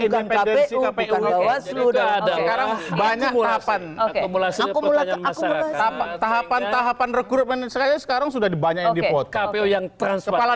banyak banyak tahapan tahapan rekrutmen saya sekarang sudah dibanyain di foto yang kepala